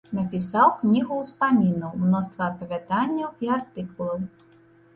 Напісаў кнігу ўспамінаў, мноства апавяданняў і артыкулаў.